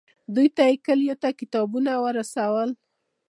دوی ته یې کلیو ته کتابونه ورسول.